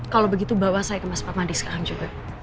kalau begitu bawa saya ke mas parmadi sekarang juga